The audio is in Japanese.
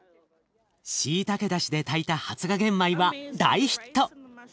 しいたけだしで炊いた発芽玄米は大ヒット。